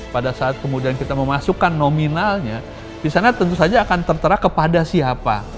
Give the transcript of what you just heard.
pada saat kemudian kita memasukkan nominalnya di sana tentu saja akan tertera kepada siapa